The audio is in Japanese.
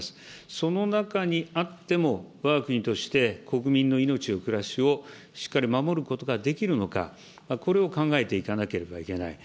その中にあっても、わが国として国民の命や暮らしをしっかり守ることができるのか、これを考えていかなければいけない。